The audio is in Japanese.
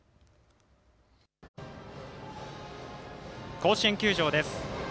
甲子園球場です。